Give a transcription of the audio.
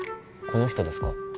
この人ですか？